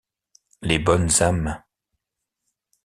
Les bonnes âmes